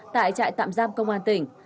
tại trại tạm giam công an tỉnh